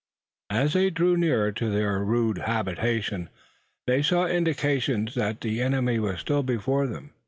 As they drew nearer to their rude habitation, they saw indications that the enemy was still before them.